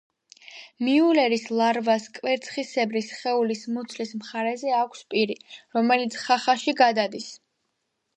მიულერის ლარვას კვერცხისებრი სხეულის მუცლის მხარეზე აქვს პირი, რომელიც ხახაში გადადის.